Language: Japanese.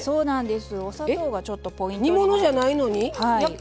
お砂糖がちょっとポイントなんです。